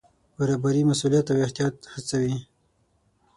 برابري مسوولیت او احتیاط هڅوي.